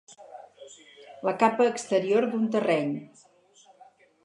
La capa exterior d'un terreny.